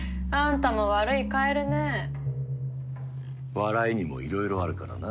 笑いにもいろいろあるからな。